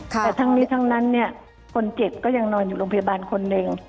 แต่ทั้งนี้ทั้งนั้นเนี่ยคนเจ็บก็ยังนอนอยู่โรงพยาบาลคนหนึ่ง